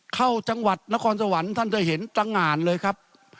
เข้าจังหวัดนครสวรรค์ท่านจะเห็นตระงานเลยครับ